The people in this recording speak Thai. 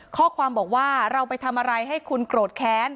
ข้อความบอกว่าเราไปทำอะไรให้คุณโกรธแค้น